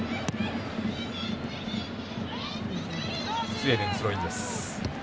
スウェーデンのスローインです。